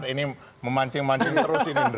ini memancing mancing terus ini